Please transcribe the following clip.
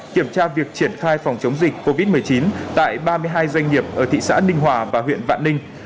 kiểm tra việc triển khai phòng chống dịch covid một mươi chín tại ba mươi hai doanh nghiệp ở thị xã ninh hòa và huyện vạn ninh